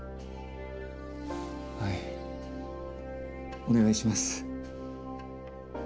はいお願いします。